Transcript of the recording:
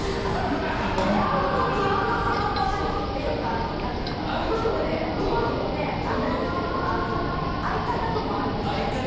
エアコンの気温のもめごとってご夫婦であったりするっていうけど相方ともあるんですね。